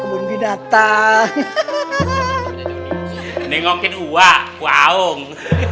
kebun binatang nengokin uak waong